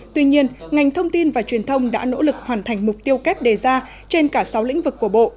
tuy nhiên ngành thông tin và truyền thông đã nỗ lực hoàn thành mục tiêu kép đề ra trên cả sáu lĩnh vực của bộ